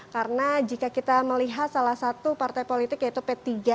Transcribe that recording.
karena jika kita melihat salah satu partai politik yaitu p tiga